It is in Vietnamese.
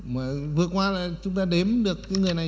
mà vừa qua là chúng ta đếm được cái người này